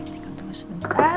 kita tunggu sebentar